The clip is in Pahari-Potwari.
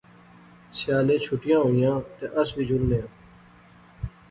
سیالے چھٹیاں ہویاں تے اس وی جلنے آں